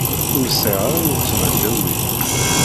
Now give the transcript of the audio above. Ur sεiɣ ara uletma ddaw-i.